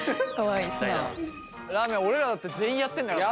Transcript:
らーめん俺らだって全員やってんだからさ。